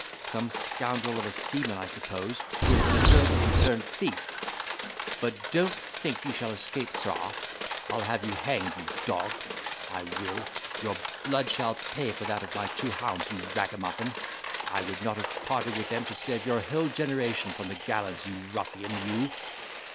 Some scoundrel of a seaman, I suppose, who has deserted and turned thief. But don't think you shall escape, sirrah—I'll have you hang'd, you dog, I will. Your blood shall pay for that of my two hounds, you ragamuffin. I would not have parted with them to save your whole generation from the gallows, you ruffian, you!"